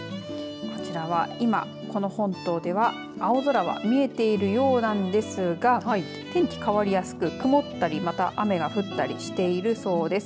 こちらは今この本島では青空が見えているようなんですが天気、変わりやすく曇ったり、また雨が降ったりしているそうです。